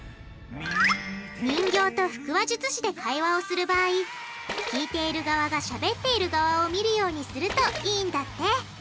人形と腹話術師で会話をする場合聞いている側がしゃべっている側を見るようにするといいんだって！